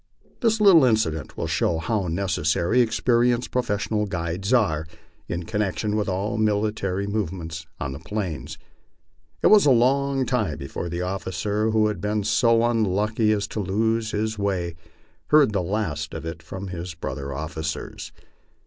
This little incident will show how necessary experienced professional guides are u connection with all military movements on the Plains. It was a long time be fore the officer who had been so unlucky as to lose his way heard the last of it from his brother officers.